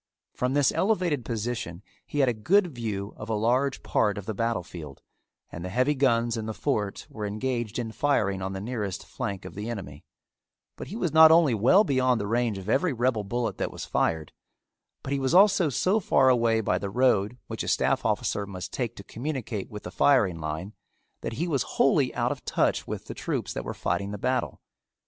From this elevated position he had a good view of a large part of the battle field and the heavy guns in the fort were engaged in firing on the nearest flank of the enemy; but he was not only well beyond the range of every rebel bullet that was fired, but he was also so far away by the road which a staff officer must take to communicate with the firing line, that he was wholly out of touch with the troops that were fighting the battle.